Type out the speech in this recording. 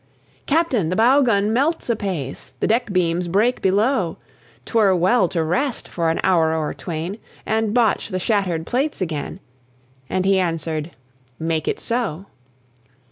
"Captain, the bow gun melts apace, The deck beams break below, 'Twere well to rest for an hour or twain, And botch the shattered plates again." And he answered, "Make it so."